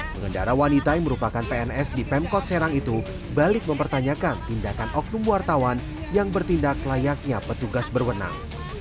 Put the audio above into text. pengendara wanita yang merupakan pns di pemkot serang itu balik mempertanyakan tindakan oknum wartawan yang bertindak layaknya petugas berwenang